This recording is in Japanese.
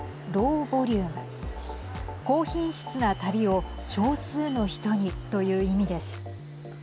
高品質な旅を少数の人にという意味です。